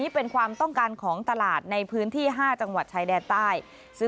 เป็นการพัฒนาสายพันธุ์